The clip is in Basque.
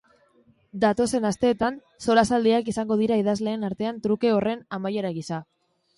Datozen asteetan solasaldiak izango dira idazleen artean truke horren amaiera gisa.